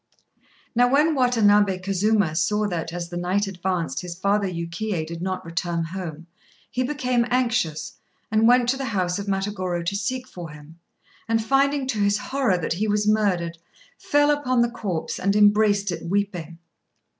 ] Now when Watanabé Kazuma saw that, as the night advanced, his father Yukiyé did not return home, he became anxious, and went to the house of Matagorô to seek for him, and finding to his horror that he was murdered, fell upon the corpse and, embraced it, weeping.